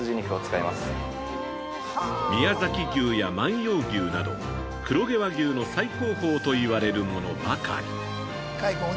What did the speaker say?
◆宮崎牛や万葉牛など、黒毛和牛の最高峰といわれるものばかり。